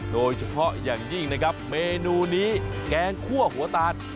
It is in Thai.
โดยเฉพาะอย่างยิ่งนะครับเมนูนี้แกงคั่วหัวตาล